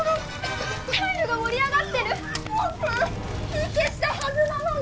火消したはずなのに。